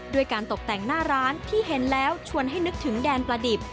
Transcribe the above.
ด้วยการตกแต่งหน้าร้านที่เห็นแล้วชวนให้นึกถึงแดนประดิบ